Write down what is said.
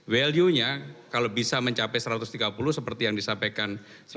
value nya kalau bisa mencapai satu ratus tiga puluh seperti yang disampaikan